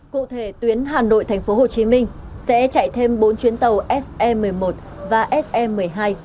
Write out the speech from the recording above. cụ thể tuyến hà nội tp hcm sẽ chạy thêm bốn chuyến tàu se một mươi một và se một mươi hai